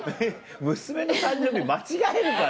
娘の誕生日間違えるかね？